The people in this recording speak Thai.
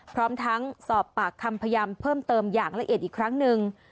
พร้อมทั้งสอบปากคำพยายามเพิ่มเติมอย่างละเอียดอีกครั้งหนึ่ง